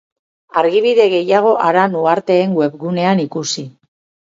Argibide gehiago Aran Uharteen webgunean ikusi.